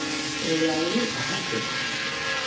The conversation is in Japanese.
このぐらいに叩いてます。